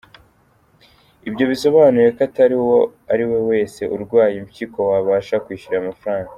Ibyo bisobanuye ko atari uwo ari we wese urwaye impyiko wabasha kwishyura ayo mafaranga.